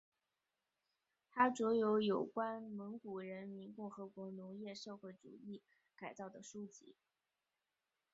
他着有有关蒙古人民共和国农业社会主义改造的书籍。